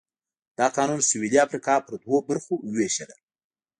دا قانون سوېلي افریقا پر دوو برخو ووېشله.